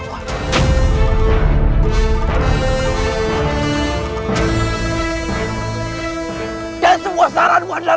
dan semua searanmu adalah